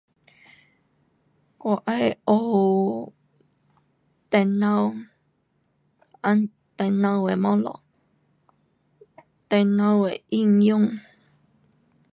我要学，电脑，按，电脑的东西，电脑的运用。